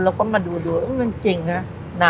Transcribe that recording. เออแล้วก็มาดูเออจริงนะ